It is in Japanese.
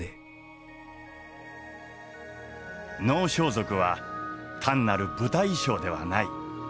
能装束は単なる舞台衣装ではない。